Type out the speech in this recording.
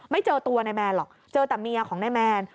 ไม่เจอตัวนายแมนหรอกเจอแต่เมียของนายแมน